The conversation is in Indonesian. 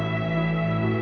terima kasih ya